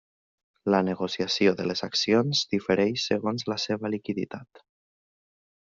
La negociació de les accions difereix segons la seva liquiditat.